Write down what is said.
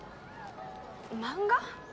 漫画？